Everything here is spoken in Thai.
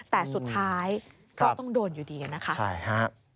แต่สุดท้ายก็ต้องโดนอยู่ดีกันนะครับ